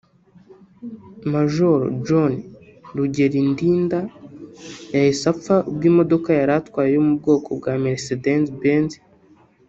Majoro John Rugerindinda yahise apfa ubwo imodoka yari atwaye yo mu bwoko bwa Mercedes Benz